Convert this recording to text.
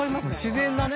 自然なね。